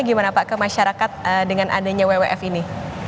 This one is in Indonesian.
gimana pak ke masyarakat dengan adanya wwf ini